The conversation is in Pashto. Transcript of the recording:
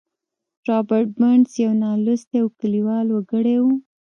رابرټ برنس یو نالوستی او کلیوال وګړی و